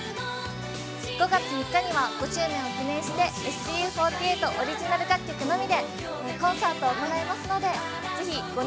５月３日には、５周年を記念してＳＴＵ４８オリジナル楽曲のみでコンサートを行います！